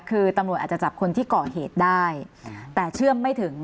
คือตำรวจอาจจะจับคนที่ก่อเหตุได้แต่เชื่อมไม่ถึง